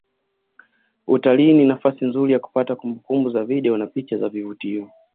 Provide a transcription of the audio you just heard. Utalii ni nafasi nzuri ya kupata kumbukumbu za video na picha za vivutio